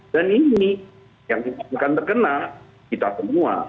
dan ini yang akan terkena kita semua